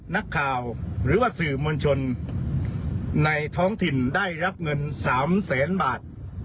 นักข่าวหรือว่าสื่อมวลชนในท้องถิ่นได้รับเงิน๓แสนบาท